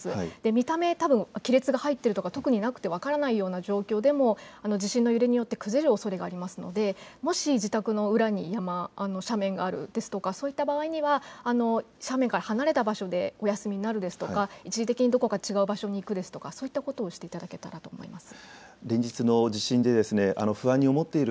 見た目、亀裂が入っているとかなくて分からないような状況でも地震の揺れによっよって崩れるおそれがありますのでもし自宅の裏に山、斜面があるですとかそういった場合には斜面から離れた場所でお休みになるですとか、一時的にどこか違う場所に行くですとかそういったことをしていただけたらと思います。